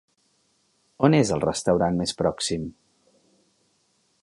On és el restaurant més pròxim?